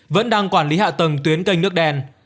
vẫn đang quản lý hạ tầng tuyến kênh nước đen